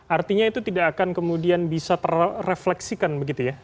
artinya itu tidak akan kemudian bisa terefleksikan begitu ya